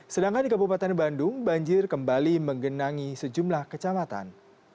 sedangkan di kabupaten bandung banjir kembali menggenangi sejumlah kecamatan